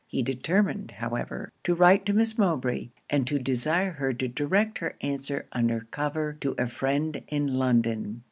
He determined, however, to write to Miss Mowbray, and to desire her to direct her answer under cover to a friend in London.